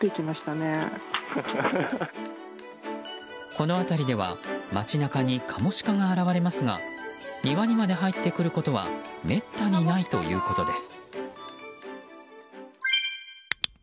この辺りでは街中にカモシカが現れますが庭にまで入ってくることはめったにないということです。